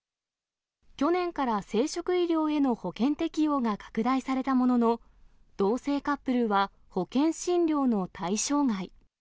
去年から生殖医療への保険適用が拡大されたものの、同性カップルは保険診療の対象外。